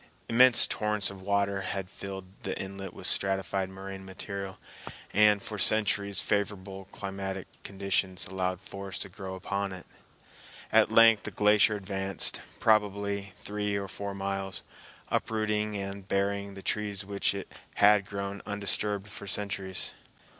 Immense torrents of water had filled in the inlet with stratified moraine material, and for centuries favorable climatic conditions allowed forests to grow upon it. At length the glacier advanced, probably three or four miles, uprooting and burying the trees which had grown undisturbed for centuries.